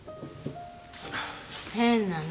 変なの。